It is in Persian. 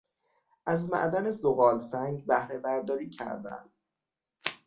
از معدن زغالسنگ بهرهبرداری کردن